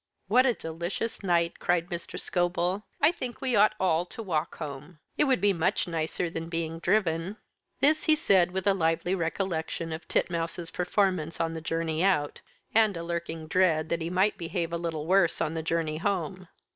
"What a delicious night!" cried Mr. Scobel. "I think we ought all to walk home. It would be much nicer than being driven." This he said with a lively recollection of Titmouse's performances on the journey out, and a lurking dread that he might behave a little worse on the journey home.